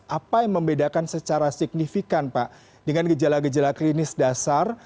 apa yang membedakan secara signifikan pak dengan gejala gejala klinis dasar